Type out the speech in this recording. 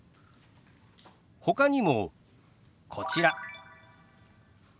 ほかにもこちら。